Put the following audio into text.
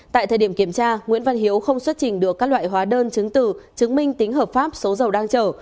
tại thời điểm kiểm tra nguyễn văn hiếu không xuất trình được các loại hóa đơn chứng từ chứng minh tính hợp pháp số dầu đang chở